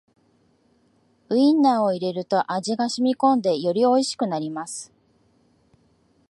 ウインナーを入れると味がしみこんでよりおいしくなります